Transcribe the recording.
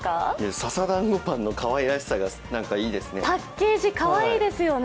笹だんごパンのかわいらしさがいいですね。